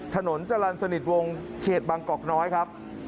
ถนนจรรย์สนิทวงเขตบางกอกน้อยครับ